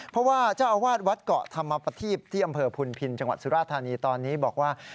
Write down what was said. เพราะว่าเจ้าอาวาสวัดเกาะธรรมประทีปที่อำเภอพุนพินจังหวัดสุราธานีตอนนี้บอกว่า